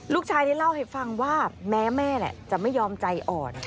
ลูกชายได้เล่าให้ฟังว่าแม้แม่จะไม่ยอมใจอ่อน